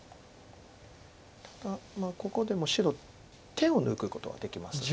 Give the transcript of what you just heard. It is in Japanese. ただここでも白手を抜くことはできますよね。